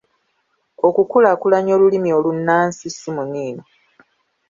Okukulaakulanya olulimi olunnansi si muniino.